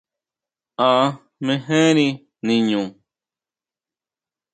¿A mejeri niñu?